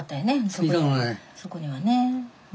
そこにはね。